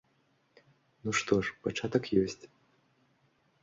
Ну што ж, пачатак ёсць!